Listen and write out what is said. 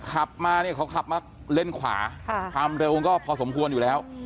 ขับมาเนี่ยเขาขับมาเลนขวาความเร็วก็พอสมควรอยู่แล้ว